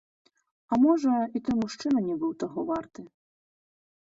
А можа, і той мужчына не быў таго варты.